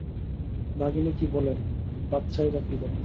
বাঘিনী কী বলেন, বাচ্ছাই বা কী বলে।